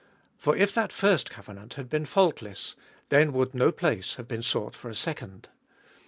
7. For if that first covenant had been faultless, then would no place have been sought for a second.